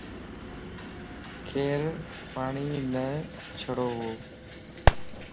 کير پاڻيني جڙووَ